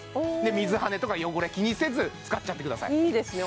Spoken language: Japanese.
水はねとか汚れ気にせず使っちゃってくださいいいですね